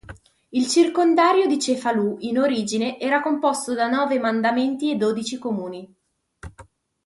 Il circondario di Cefalù in origine era composto da nove mandamenti e dodici comuni.